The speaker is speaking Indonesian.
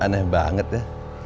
aneh banget ya